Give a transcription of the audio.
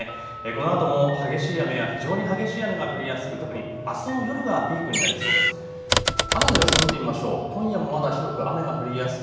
このあとも激しい雨や非常に激しい雨が降りやすく特にあすの夜がピークになりそうです。